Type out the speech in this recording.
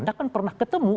anda kan pernah ketemu